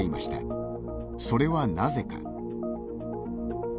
それはなぜか。